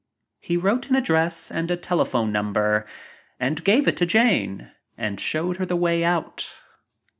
He wrote an address and a telephone number and gave it to Jane and showed her the way out.